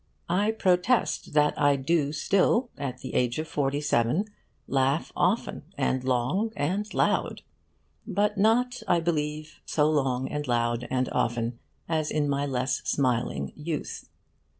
I protest that I do still, at the age of forty seven, laugh often and loud and long. But not, I believe, so long and loud and often as in my less smiling youth.